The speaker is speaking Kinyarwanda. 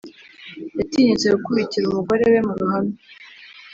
Yatinyutse gukubitira umugore we mu ruhame